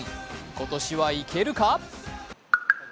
今年はいけるか？